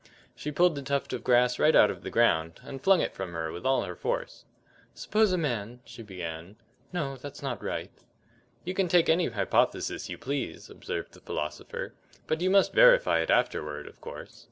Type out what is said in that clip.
She pulled the tuft of grass right out of the ground, and flung it from her with all her force. "Suppose a man " she began. "No, that's not right." "You can take any hypothesis you please," observed the philosopher, "but you must verify it afterward, of course."